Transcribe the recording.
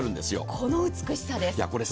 この美しさです。